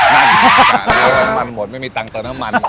นั่นมีอังกฤษน้ำมันหมดไม่มีตังค์เติมอังกฤษ